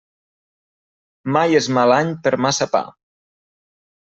Mai és mal any per massa pa.